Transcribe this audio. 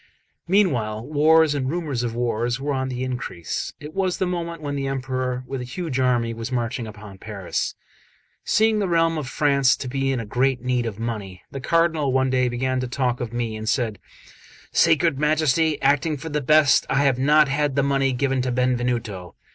Meanwhile wars and rumours of wars were on the increase; it was the moment when the Emperor with a huge army was marching upon Paris. Seeing the realm of France to be in great need of money, the Cardinal one day began to talk of me, and said: "Sacred Majesty, acting for the best, I have not had that money given to Benvenuto.